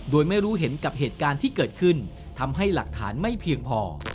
โดยไม่รู้เห็นกับเหตุการณ์ที่เกิดขึ้นทำให้หลักฐานไม่เพียงพอ